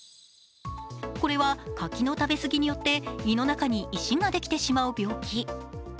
これは柿の食べ過ぎによって胃の中に石ができてしまう病気。